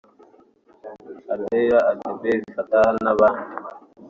Alaa Abdel Fattah n’abandi